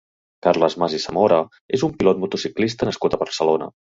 Carles Mas i Samora és un pilot motociclista nascut a Barcelona.